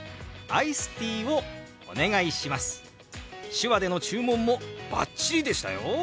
手話での注文もバッチリでしたよ！